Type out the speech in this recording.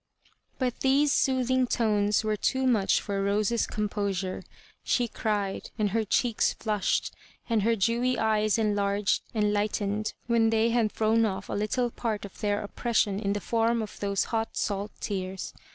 But these soothing tones were too much for Rose's composure. She cried, and her cheeks flushed, and her dewy eyes' enlarged and light ened when they had thrown off a little part of their oppression in the form of those hot salt tears.